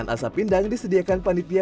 kalau ini sambal apa ini